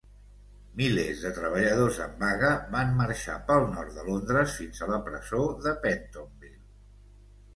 Milers de treballadors en vaga van marxar pel nord de Londres fins a la presó de Pentonville.